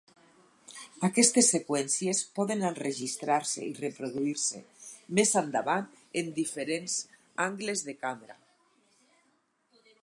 Aquestes seqüències poden enregistrar-se i reproduir-se més endavant en diferents angles de càmera.